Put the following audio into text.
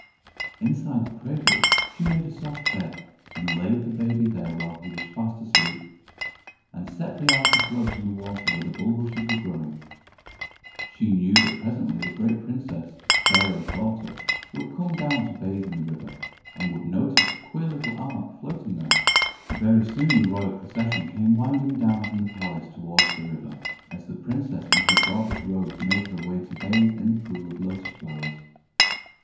Inside the cradle she made a soft bed, and laid the baby there while he was fast asleep, and set the ark afloat in the water where the bulrushes were growing. She knew that presently the great princess, Pharaoh's daughter, would come down to bathe in the river, and would notice the queer little ark floating there. [Illustration: She laid the baby there while he was fast asleep.] Very soon the royal procession came winding down from the palace towards the river, as the princess in her gorgeous robes made her way to bathe in the pool of the lotus flowers.